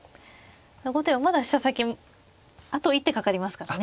後手はまだ飛車先あと一手かかりますからね。